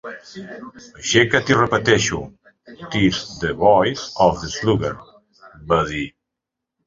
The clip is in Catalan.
"Aixeca't i repeteix-ho" "Tis the voice of the sluggard," va dir.